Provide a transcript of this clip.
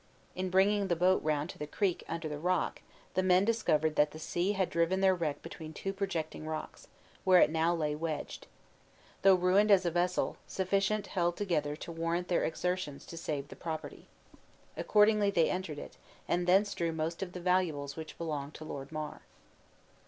In bringing the boat round to the creek under the rock, the men discovered that the sea had driven their wreck between two projecting rocks, where it now lay wedged. Though ruined as a vessel, sufficient held together to warrant their exertions to save the property. Accordingly they entered it, and drew thence most of the valuables which belonged to Lord Mar.